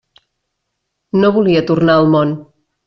No volia tornar al món.